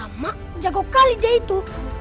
sama jago kali dia itu